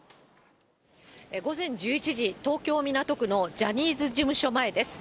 午前１１時、東京・港区のジャニーズ事務所前です。